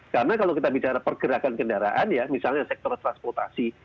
karena kalau kita bicara pergerakan kendaraan ya misalnya sektor transportasi